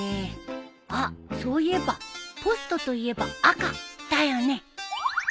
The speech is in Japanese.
あっそういえばポストといえば赤だよね。